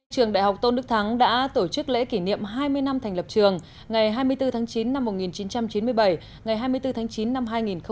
trường đại học tôn đức thắng đã tổ chức lễ kỷ niệm hai mươi năm thành lập trường ngày hai mươi bốn tháng chín năm một nghìn chín trăm chín mươi bảy ngày hai mươi bốn tháng chín năm hai nghìn một mươi chín